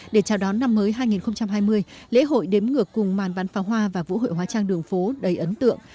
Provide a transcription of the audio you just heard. để chào đón năm mới hai nghìn hai mươi lễ hội đếm ngược cùng màn bắn pháo hoa và vũ hội hóa trang đường phố đầy ấn tượng